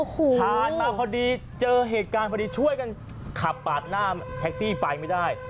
ผ่านมาพอดีเจอเหตุการณ์พอดีช่วยกันขับปาดหน้าแท็กซี่ไปไม่ได้